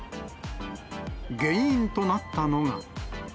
原因となったのが。